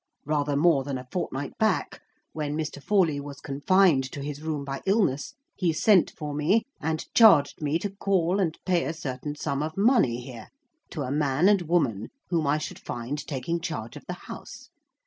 Rather more than a fortnight back, when Mr. Forley was confined to his room by illness, he sent for me, and charged me to call and pay a certain sum of money here, to a man and woman whom I should find taking charge of the house.